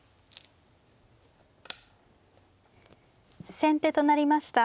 先手となりました